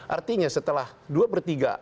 artinya setelah dua bertiga